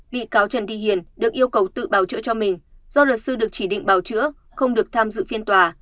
bị cáo trần thị hiền được yêu cầu tự bảo chữa cho mình do luật sư được chỉ định bảo chữa không được tham dự phiên tòa